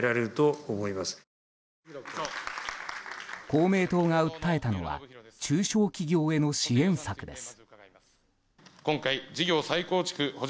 公明党が訴えたのは中小企業への支援策です。